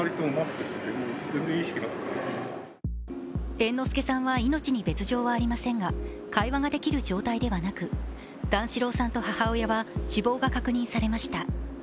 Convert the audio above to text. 猿之助さんは命に別状はありませんが会話ができる状態ではなく段四郎さんと母親は死亡が確認されました。